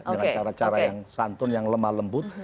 dengan cara cara yang santun yang lemah lembut